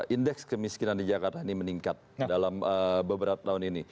indeks kemiskinan di jakarta ini meningkat dalam beberapa tahun ini